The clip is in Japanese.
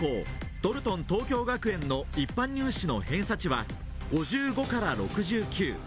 ドルトン東京学園の一般入試の偏差値は５５６９。